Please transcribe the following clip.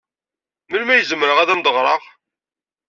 Melmi ay zemreɣ ad am-d-ɣreɣ?